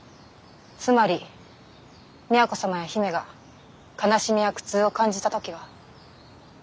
つまり都様や姫が悲しみや苦痛を感じた時は？